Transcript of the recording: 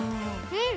うん！